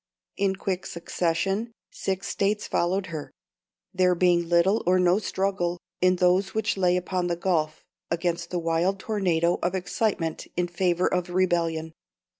In quick succession six States followed her, "there being little or no struggle, in those which lay upon the Gulf, against the wild tornado of excitement in favour of rebellion."